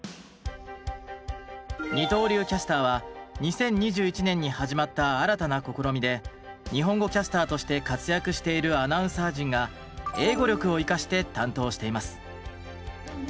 二刀流キャスターは２０２１年に始まった新たな試みで日本語キャスターとして活躍しているアナウンサー陣が英語力を生かして担当しています。